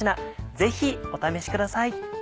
ぜひお試しください。